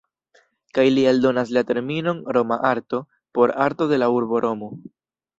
Kaj li aldonas la terminon "Roma arto", por arto de la urbo Romo.